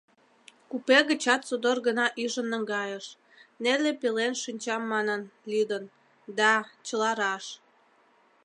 Купе гычат содор гына ӱжын наҥгайыш, Нелли пелен шинчам манын, лӱдын, Да, чыла раш».